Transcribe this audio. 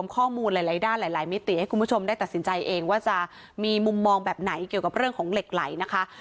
คุ้มกันตัวเราไม่ต้องใช้เหล็กไหล